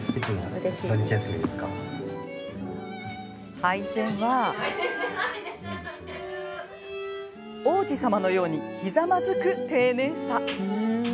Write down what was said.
配膳は王子様のようにひざまずく丁寧さ。